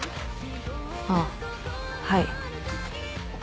あっはい。